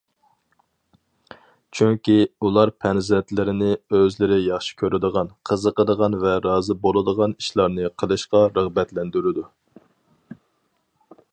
چۈنكى، ئۇلار پەرزەنتلىرىنى ئۆزلىرى ياخشى كۆرىدىغان، قىزىقىدىغان ۋە رازى بولىدىغان ئىشلارنى قىلىشقا رىغبەتلەندۈرىدۇ.